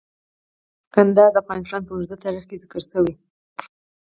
کندهار د افغانستان په اوږده تاریخ کې ذکر شوی دی.